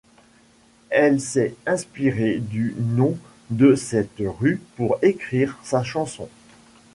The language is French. Elle s'est inspirée du nom de cette rue pour écrire sa chanson.